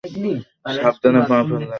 সাবধানে পা ফেলেন।